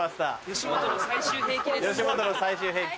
吉本の最終兵器。